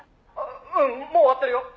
「うんもう終わってるよ」